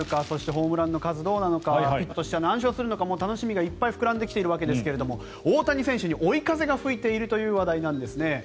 そしてホームランの数どうなのかピッチャーとしては何勝するのか楽しみが膨らんできているわけですが大谷選手に追い風が吹いているという話題なんですね。